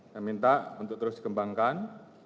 saya minta untuk terus dikembangkan